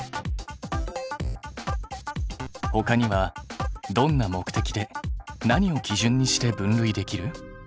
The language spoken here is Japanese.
ほかにはどんな目的で何を基準にして分類できる？